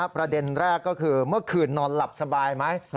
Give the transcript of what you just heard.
ประเด็นแรกก็คือเมื่อคืนนอนหลับสบายไหม